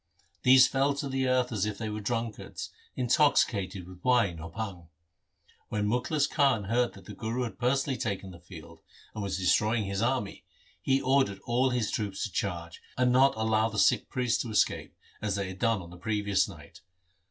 These fell to the earth as if they were drunkards intoxicated with wine or bhang. When Mukhlis Khan heard that the Guru had personally taken the field, and was destroying his army, he ordered all his troops to charge, and not allow the Sikh priest to escape, as they had done on the previous night.